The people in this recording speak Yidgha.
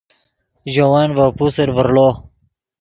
ژے ون ڤے پوسر ڤرڑو